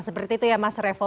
seperti itu ya mas revo